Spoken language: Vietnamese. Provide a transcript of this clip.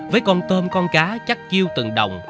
với con tôm con cá chắc chiêu từng đồng